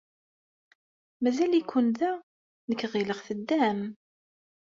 Mazal-iken da? Nekk ɣileɣ teddam.